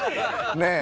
ねえ！